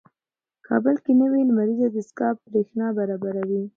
کابل کې نوې لمریزه دستګاه برېښنا برابروي.